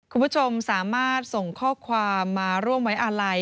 คุณผู้ชมสามารถส่งข้อความมาร่วมไว้อาลัย